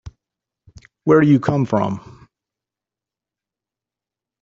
Where do you come from?